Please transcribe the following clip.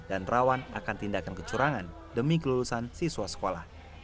dan rawan akan tindakan kecurangan demi kelulusan siswa sekolah